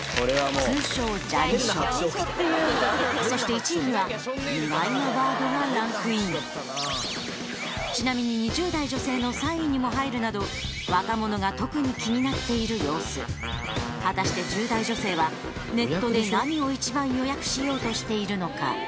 通称ジャニショそして１位には意外なワードがランクインちなみに２０代女性の３位にも入るなど若者が特に気になっている様子果たして１０代女性はネットで何を一番予約しようとしているのか？